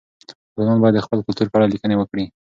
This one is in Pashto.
ځوانان باید د خپل کلتور په اړه لیکني وکړي.